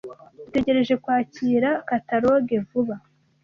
Dutegereje kwakira kataloge vuba.